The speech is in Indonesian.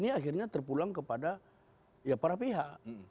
terakhirnya terpulang kepada ya para pihak